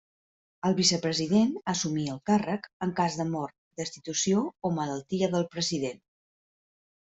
El vicepresident assumia el càrrec en cas de mort, destitució o malaltia del president.